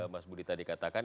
mas budi tadi katakan